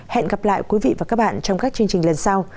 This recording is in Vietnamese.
hẹn gặp lại quý vị và các bạn trong các chương trình lần sau